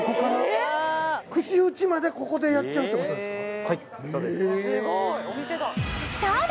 ええっ串打ちまでここでやっちゃうってことですか？